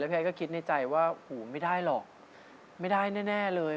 พี่ไอก็คิดในใจว่าหูไม่ได้หรอกไม่ได้แน่เลย